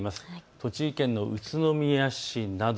栃木県の宇都宮市など。